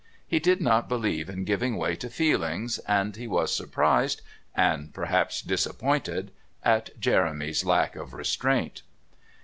He did not believe in giving way to feelings, and he was surprised, and perhaps disappointed, at Jeremy's lack of restraint.